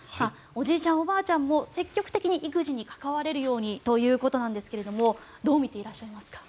おじいちゃん、おばあちゃんも積極的に育児に関われるようにということですがどう見ていらっしゃいますか？